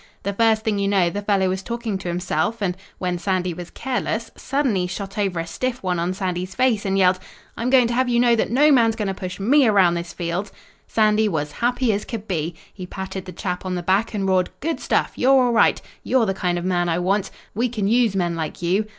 The first thing you know the fellow was talking to himself and, when Sandy was careless, suddenly shot over a stiff one on Sandy's face and yelled: "'I'm going to have you know that no man's going to push me around this field.' "Sandy was happy as could be. He patted the chap on the back and roared, 'Good stuff; you're all right. You're the kind of a man I want. We can use men like you!'